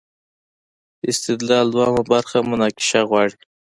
استدلال دویمه برخه مناقشه غواړي.